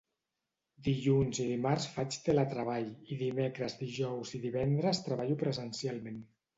Dilluns i dimarts faig teletreball i dimecres, dijous i divendres treballo presencialment.